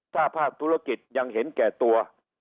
ถ้าภาคธุรกิจยังเห็นแก่ตัว